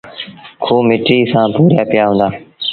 کوه مٽيٚ سآݩ پُوريآ پيآ هُݩدآ۔